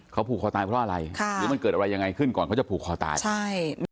เขาผูกคอตายเพราะอะไรค่ะหรือมันเกิดอะไรยังไงขึ้นก่อนเขาจะผูกคอตายใช่